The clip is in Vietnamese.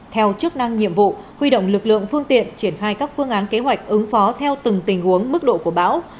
theo chức năng nhiệm vụ huy động lực lượng phương tiện triển khai các phương án kế hoạch ứng phó theo từng tình huống mức độ của bão